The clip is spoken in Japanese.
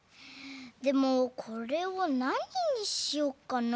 でもこれをなににしよっかな？